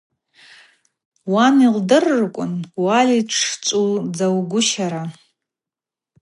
Уан йылдырырквын, уальай, дшчӏвыудзагвыщара.